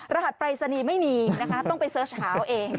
รหัสไปรศนีย์ไม่มีนะครับต้องไปเสิร์ชหาวเอง